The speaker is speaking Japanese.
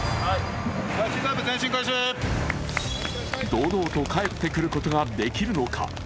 堂々と帰ってくることができるのか？